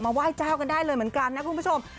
ไหว้เจ้ากันได้เลยเหมือนกันนะคุณผู้ชม